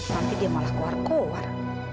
nanti dia malah keluar keluar